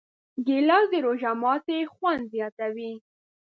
ګیلاس د روژه ماتي خوند زیاتوي.